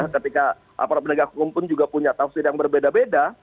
ketika aparat penegak hukum pun juga punya tafsir yang berbeda beda